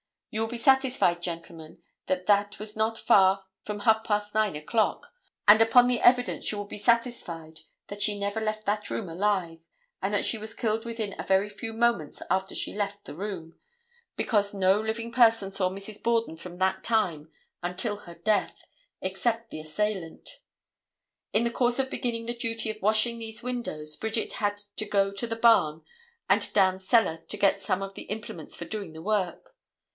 You will be satisfied, gentlemen, that that was not far from half past nine o'clock, and upon the evidence you will be satisfied that she never left that room alive, and that she was killed within a very few moments after she left the room, because no living person saw Mrs. Borden from that time until her death, except the assailant. In the course of beginning the duty of washing these windows Bridget had to go to the barn and down cellar to get some of the implements for doing the work.